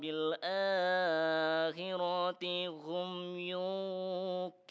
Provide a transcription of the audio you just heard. nah harga harganya lagi pak